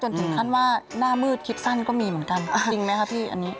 แล้วก็เหมือนเกลียงเรื่องอะไร